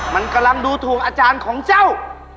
มันกำลังดูถูกอาจารย์ของเจ้า